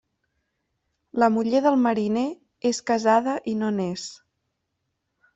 La muller del mariner és casada i no n'és.